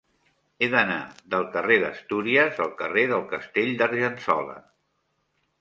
He d'anar del carrer d'Astúries al carrer del Castell d'Argençola.